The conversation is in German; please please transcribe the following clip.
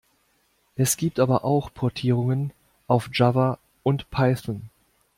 Es gibt aber auch Portierungen auf Java und Python.